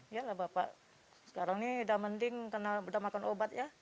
iya lah bapak sekarang ini udah mending karena udah makan obat ya